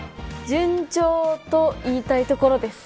順調と言いたいところです。